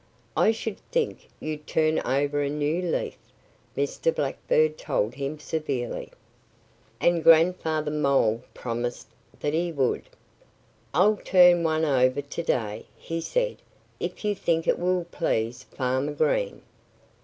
"I should think you'd turn over a new leaf," Mr. Blackbird told him severely. And Grandfather Mole promised that he would. "I'll turn one over to day," he said, "if you think it will please Farmer Green."